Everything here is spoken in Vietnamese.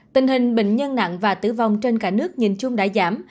tình hình bệnh nhân nặng và tử vong trên cả nước nhìn chung đã giảm